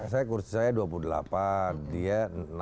saya kursi saya dua puluh delapan dia